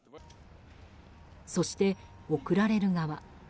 そして、送られる側。